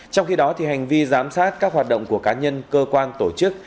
trong khi đó hành vi giám sát các hoạt động của cá nhân cơ quan tổ chức